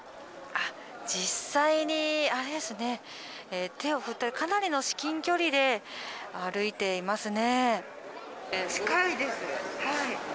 実際に手を振ってかなりの至近距離で歩いていますね。